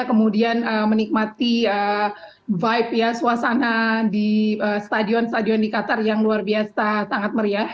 kemudian menikmati vibe ya suasana di stadion stadion di qatar yang luar biasa sangat meriah